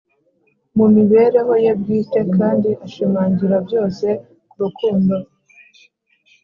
mu mibereho ye bwite kandi ashimangira byose ku rukundo,